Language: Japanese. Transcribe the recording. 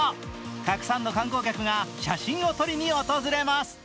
たくさんの観光客が写真を撮りに訪れます。